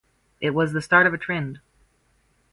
It was the start of a trend.